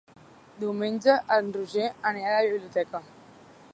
Diumenge en Roger anirà a la biblioteca.